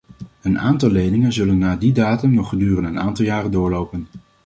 Een aantal leningen zullen na die datum nog gedurende een aantal jaren doorlopen.